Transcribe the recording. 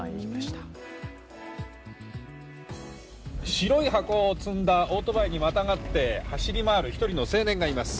白い箱を積んだオートバイにまたがって走り回る一人の青年がいます。